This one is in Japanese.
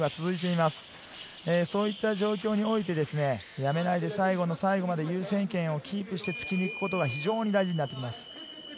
そういった状況でやめないで最後まで優先権をキープして突きにいくことが大事になっていきます。